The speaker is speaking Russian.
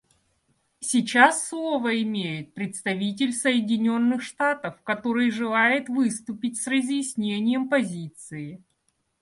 Сейчас слово имеет представитель Соединенных Штатов, который желает выступить с разъяснением позиции.